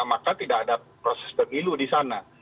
maka tidak ada proses pemilu di sana